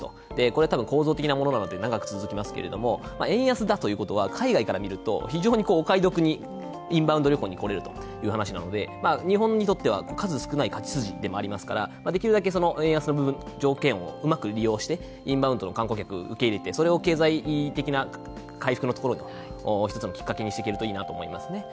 これは多分、構造的なものなので長く続きますけれども円安ということは海外から見ると非常にお買い得にインバウンド旅行に来られるということですので日本にとっては数少ない勝ち筋でもありますから、できるだけ円安の条件をうまく利用してインバウンドの観光客を受け入れてそれを経済的回復のところの一つのきっかけにしていけるといいと思います。